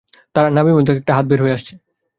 তার নাভিমূল থেকে একটা হাত বের হয়ে আসছে।